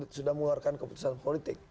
sudah mengeluarkan keputusan politik